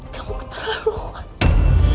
kamu terlalu kuat sa